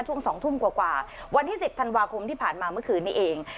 ช่วง๒ทุ่มกว่าวันที่๑๐ธันวาคมที่ผ่านมาเมื่อคืนนี้เอง